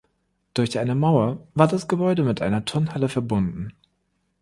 Durch eine Mauer war das Gebäude mit einer Turnhalle verbunden.